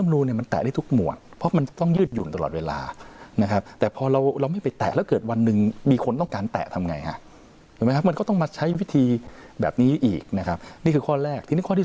แล้วก็คุณไปล็อคเอาไว้เลย